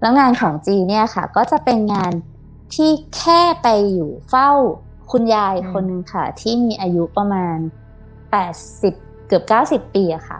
แล้วงานของจีนเนี่ยค่ะก็จะเป็นงานที่แค่ไปอยู่เฝ้าคุณยายคนนึงค่ะที่มีอายุประมาณ๘๐เกือบ๙๐ปีค่ะ